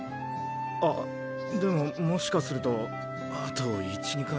あでももしかするとあと１２回。